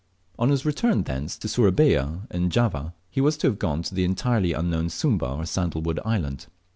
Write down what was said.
On his return thence to Sourabaya in Java, he was to have gone to the entirely unknown Sumba or Sandal wood Island.